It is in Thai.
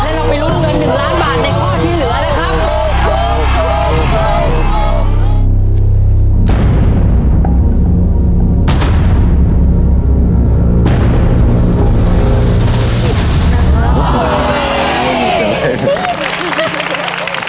แล้วเราไปรู้เงิน๑ล้านบาทในคณะที่เหลือนะครับ